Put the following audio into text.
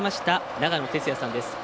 長野哲也さんです。